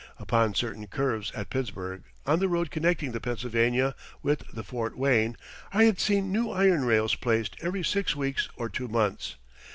Upon certain curves at Pittsburgh, on the road connecting the Pennsylvania with the Fort Wayne, I had seen new iron rails placed every six weeks or two months.